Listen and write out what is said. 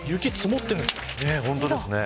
雪積もってるんです。